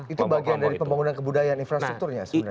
itu bagian dari pembangunan kebudayaan infrastrukturnya sebenarnya